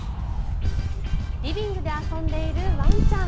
リビングで遊んでいるワンちゃん。